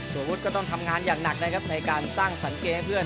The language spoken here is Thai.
ส่วนวุฒิก็ต้องทำงานอย่างหนักนะครับในการสร้างสังเกตให้เพื่อน